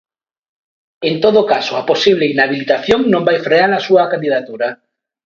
En todo caso a posible inhabilitación non vai frear a súa candidatura.